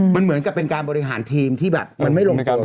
มันเหมือนกับเป็นการบริหารทีมที่แบบมันไม่ลงตัว